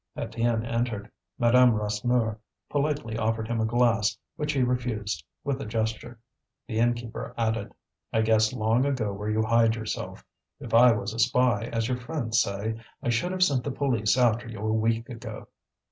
Étienne entered. Madame Rasseneur politely offered him a glass, which he refused, with a gesture. The innkeeper added: "I guessed long ago where you hide yourself. If I was a spy, as your friends say, I should have sent the police after you a week ago."